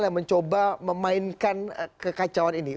yang mencoba memainkan kekacauan ini